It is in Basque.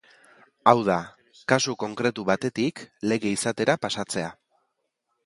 Hau da, kasu konkretu batetik lege izatera pasatzea.